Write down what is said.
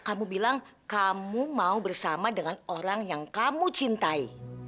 kamu bilang kamu mau bersama dengan orang yang kamu cintai